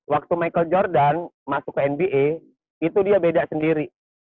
waktu michael jordan masuk ke nba itu dia beda sendiri